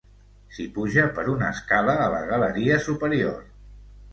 S'hi puja per una escala a la galeria superior.